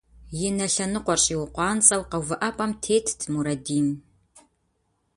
И нэ лъэныкъуэр щӏиукъуанцӏэу къэувыӏэпӏэм тетт Мурадин.